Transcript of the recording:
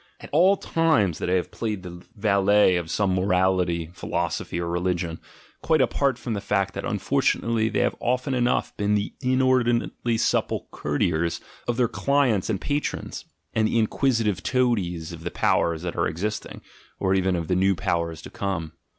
At all times they have played the valet of some morality, philosophy, or religion, quite apart from the fact that unfortunately they have often enough been the inordinately supple courtiers of their clients and patrons, and the inquisitive toadies of the powers that are existing, or even of the new powers to come.